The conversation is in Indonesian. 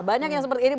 banyak yang seperti ini